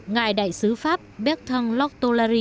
ngài đại sứ pháp bét thăng loc tolary